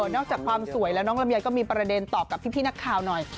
จากความสวยแล้วน้องลำไยก็มีประเด็นตอบกับพี่นักข่าวหน่อย